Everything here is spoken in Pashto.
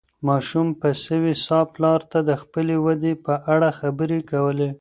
ماشوم په سوې ساه پلار ته د خپلې ودې په اړه خبرې کولې.